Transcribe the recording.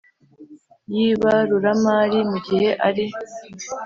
y ibaruramari mu gihe ari